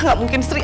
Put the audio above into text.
gak mungkin sri